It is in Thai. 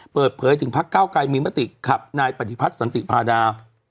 เปิดเผยถึงพักเก้าไกรมีมติขับนายปฏิพัฒน์สันติพาดา